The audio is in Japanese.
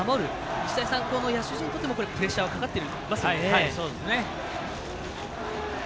日大三高の野手陣にとってもプレッシャーはかかってますよね。